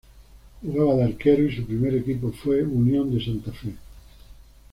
Jugaba de arquero y su primer equipo fue Unión de Santa Fe.